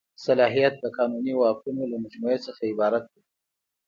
صلاحیت د قانوني واکونو له مجموعې څخه عبارت دی.